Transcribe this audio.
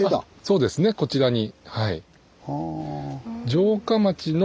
そうですねこちらに。